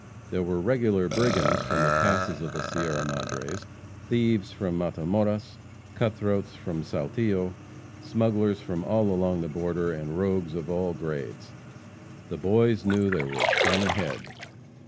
There were regular brigands from the passes of the Sierra Madres; thieves from Matamoras, cut throats from Saltillo; smugglers from all along the border, and rogues of all grades. The boys knew there was "fun ahead."